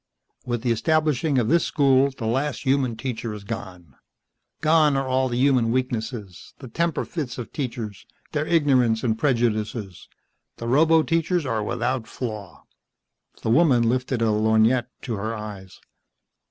"With the establishing of this school the last human teacher is gone. Gone are all the human weaknesses, the temper fits of teachers, their ignorance and prejudices. The roboteachers are without flaw." The woman lifted a lorgnette to her eyes.